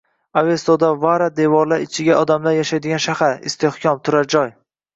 “Avesto”da vara – devorlari ichida odamlar yashaydigan shahar, istehkom, turar joy.